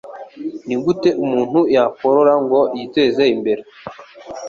nigute umuntu yakorora ngo yiteze imbere